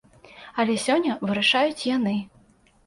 Але сёння вырашаюць яны.